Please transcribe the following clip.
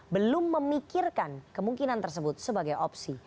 belum memikirkan kemungkinan tersebut sebagai opsi